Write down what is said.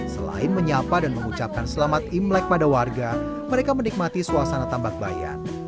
selain menyapa dan mengucapkan selamat imlek pada warga mereka menikmati suasana tambak bayan